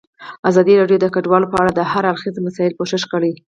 ازادي راډیو د کډوال په اړه د هر اړخیزو مسایلو پوښښ کړی.